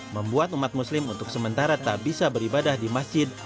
membuat umat muslim untuk sementara tak bisa beribadah di masjid